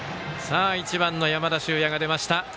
１番の山田脩也が出ました。